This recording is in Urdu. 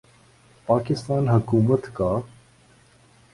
پاکستان حکومت کا